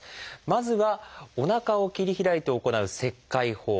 まずはおなかを切り開いて行う「切開法」。